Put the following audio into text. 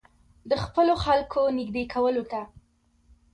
د خپلو خلکو نېږدې کولو ته.